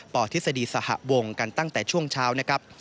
ทฤษฎีสหวงกันตั้งแต่ช่วงเช้านะครับ